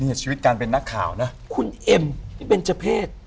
ชีวิตการเป็นนักข่าวนะคุณเอ็มที่เป็นเจ้าเพศ